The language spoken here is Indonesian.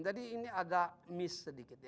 jadi ini agak miss sedikit ya